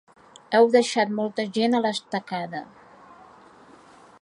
Heu deixat molta gent a l’estacada.